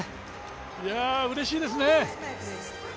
いやうれしいですね。